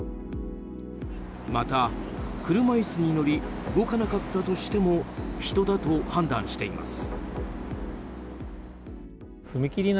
また、車椅子に乗り動かなかったとしても人だと判断しています。